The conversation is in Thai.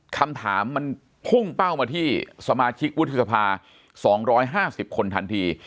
คำถามมันพุ่งเป้ามาที่สมาชิกวุฒิสภา๒๕๐คนทันที